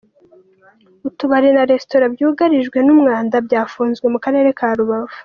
Utubari na Resitora byugarijwe n’umwanda byafunzwe Mukarere Karubavu